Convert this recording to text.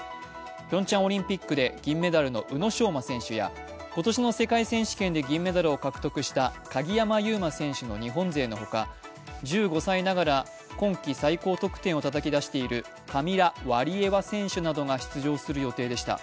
ピョンチャンオリンピックで銀メダルの宇野昌磨選手や今年の世界選手権で銀メダルを獲得した鍵山優真選手などの日本勢のほか、１５歳ながら今季最高得点をたたき出しているカミラ・ワリエワ選手などが出場する予定でした。